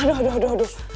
aduh aduh aduh